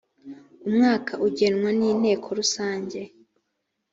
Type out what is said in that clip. umwaka ugenwa n’inteko rusange